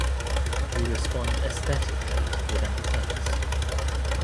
We respond aesthetically, without purpose.